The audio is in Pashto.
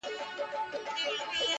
خير دی ، دى كه اوسيدونكى ستا د ښار دى